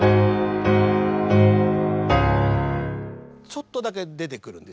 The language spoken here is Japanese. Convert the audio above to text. ちょっとだけ出てくるんですよね。